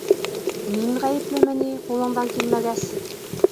Мин ғәйеплеме ни, ҡулыңдан килмәгәс?